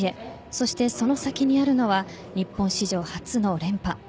そして、その先にあるのは日本史上初の連覇。